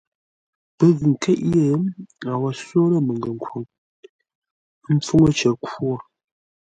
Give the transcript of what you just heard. Pə́ ghʉ ńkéʼ yé, a wo só lə́ məngənkhwoŋ, ə́ mpfúŋə́ cər khwo.